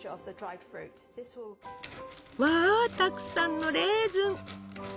わたくさんのレーズン！